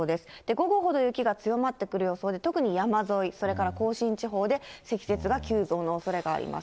午後ほど雪が強まってくる予想で、特に山沿い、それから甲信地方で積雪が急増のおそれがあります。